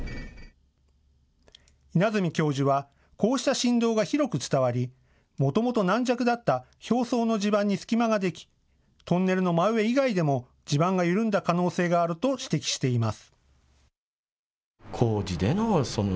稲積教授はこうした振動が広く伝わり、もともと軟弱だった表層の地盤に隙間ができ、トンネルの真上以外でも地盤が緩んだ可能性があると指摘しています。